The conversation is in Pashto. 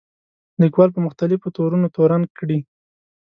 لیکوال په مختلفو تورونو تورن کړي.